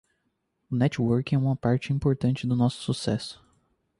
O networking é uma parte importante de nosso sucesso.